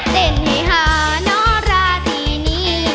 เต้นให้หาน้องราตรีนี้